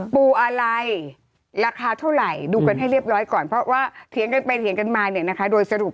ปูอะไรราคาเท่าไรดูกันให้เรียบร้อยก่อนเพราะว่าทีนี้เขาไปเห็นมันไม่นะคะโดยสรุป